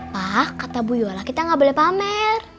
wah kata bu yola kita gak boleh pamer